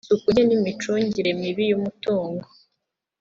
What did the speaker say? isuku nke n’imicungire mibi y’umutungo